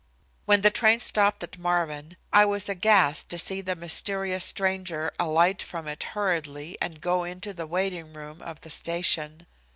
When the train stopped at Marvin I was aghast to see the mysterious stranger alight from it hurriedly and go into the waiting room of the station.